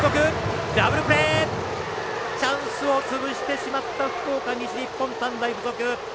チャンスを潰してしまった福岡、西日本短大付属。